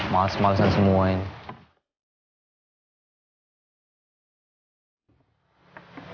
males malesan semua ini